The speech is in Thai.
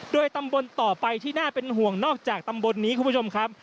โดยตำบลต่อไปที่น่าเป็นห่วงนอกจากตำบลนี้คุณผู้ชมครับ